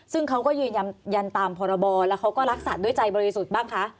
ซึ่งเขาก็ยืนยันยันตามพรบแล้วเขาก็รักสัตว์ด้วยใจบริสุทธิ์บ้างคะ